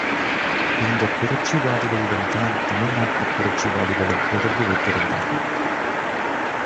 இந்த புரட்சிவாதிகளுடன் தான் தமிழ்நாட்டு புரட்சிவாதிகளும் தொடர்பு வைத்திருந்தார்கள்.